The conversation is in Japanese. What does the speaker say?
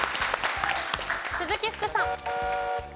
鈴木福さん。